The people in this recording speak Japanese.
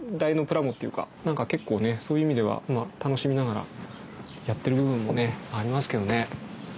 なんか結構ねそういう意味では楽しみながらやってる部分もねありますけどね。